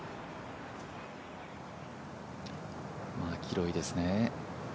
マキロイですね。